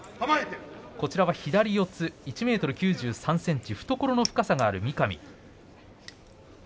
左四つ１ｍ９３ｃｍ懐の深さがある三上です。